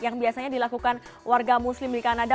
yang biasanya dilakukan warga muslim di kanada